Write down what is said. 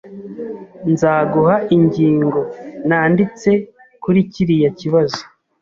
Nzaguha ingingo nanditse kuri kiriya kibazo.